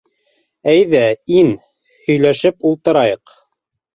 Әйҙә, ин. һөйләшеп ултырайыҡ.